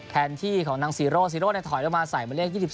แทนที่ของนางซีโร่ซีโร่ถอยลงมาใส่มาเลข๒๒